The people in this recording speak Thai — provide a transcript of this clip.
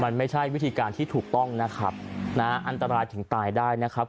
มันไม่ใช่วิธีการที่ถูกต้องนะครับนะอันตรายถึงตายได้นะครับ